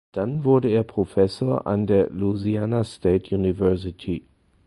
Dann wurde er Professor an der Louisiana State University.